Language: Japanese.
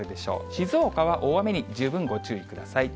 静岡は大雨に十分ご注意ください。